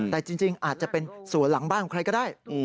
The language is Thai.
แต่จริงอาจจะเป็นสวนหลังบ้านของใครก็ได้